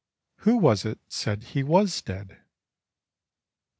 Who was it said he was dead?